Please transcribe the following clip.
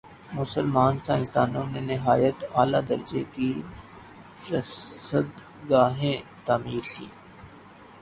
مسلمان سائنسدانوں نے نہایت عالیٰ درجہ کی رصدگاہیں تعمیر کیں